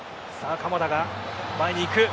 鎌田が前に行く。